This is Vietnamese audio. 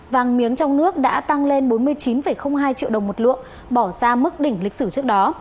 vàng miếng trong nước đã tăng lên bốn mươi chín hai triệu đồng một lượng bỏ ra mức đỉnh lịch sử trước đó